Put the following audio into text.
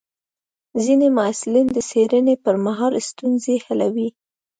ځینې محصلین د څېړنې پر مهال ستونزې حلوي.